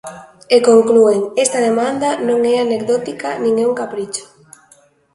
E conclúen: Esta demanda non é anecdótica nin é un capricho.